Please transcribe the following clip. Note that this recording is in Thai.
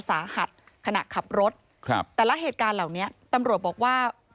สาหัสขนาดขับรถแต่ละเหตุการณ์เหล่านี้ตำรวจบอกว่าผู้เสียชีวิต